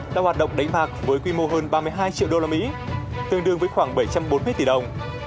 đang hoạt động đánh bạc với quy mô hơn ba mươi hai triệu usd tương đương với khoảng bảy trăm bốn mươi tỷ đồng